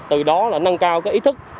từ đó nâng cao ý thức